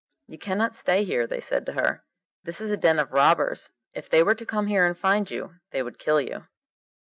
'You cannot stay here,' they said to her. 'This is a den of robbers; if they were to come here and find you they would kill you.